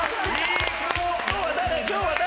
今日は誰？